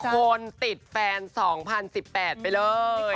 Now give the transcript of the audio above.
คนติดแฟน๒๐๑๘ไปเลย